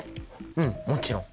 うんもちろん！